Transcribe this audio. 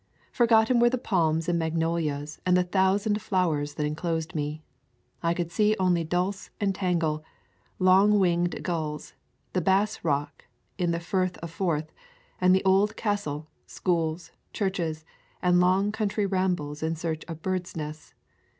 For gotten were the palms and magnolias and the thousand flowers that enclosed me. I could see only dulse and tangle, long winged gulls, the Bass Rock in the Firth of Forth, and the old castle, schools, churches, and long coun try rambles in search of birds' nests.